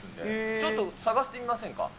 ちょっと探してみませんか。